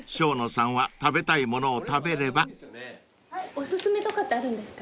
お薦めとかってあるんですか？